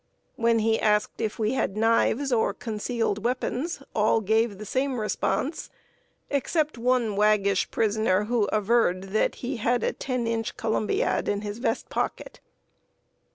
When he asked if we had knives or concealed weapons, all gave the same response, except one waggish prisoner, who averred that he had a ten inch columbiad in his vest pocket.